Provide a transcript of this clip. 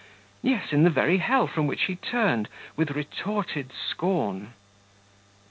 Yes, in the very hell from which he turned 'with retorted scorn.